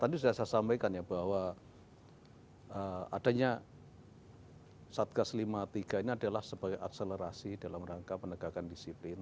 tadi sudah saya sampaikan ya bahwa adanya satgas lima puluh tiga ini adalah sebagai akselerasi dalam rangka penegakan disiplin